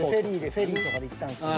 フェリーとかで行ったんすよ。